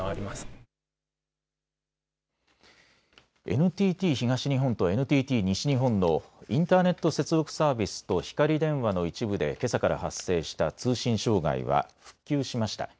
ＮＴＴ東日本とＮＴＴ西日本のインターネット接続サービスとひかり電話の一部でけさから発生した通信障害は復旧しました。